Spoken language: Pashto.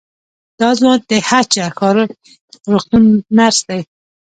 دا ځوان د هه چه ښار روغتون نرس دی.